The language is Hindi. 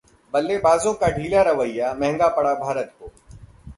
बल्लेबाजों का ढीला रवैया महंगा पड़ा भारत को